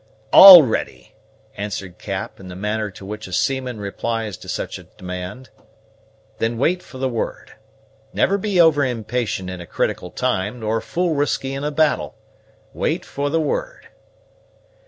"All ready!" answered Cap, in the manner in which a seaman replies to such a demand. "Then wait for the word. Never be over impatient in a critical time, nor fool risky in a battle. Wait for the word."